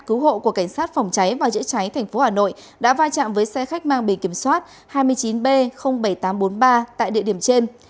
cứu hộ của cảnh sát phòng cháy và chữa cháy tp hà nội đã va chạm với xe khách mang bề kiểm soát hai mươi chín b bảy nghìn tám trăm bốn mươi ba tại địa điểm trên